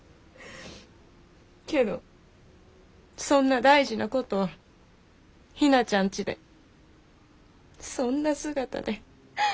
けどそんな大事なことをひなちゃんちでそんな姿で。